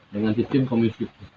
dengan sistem komisif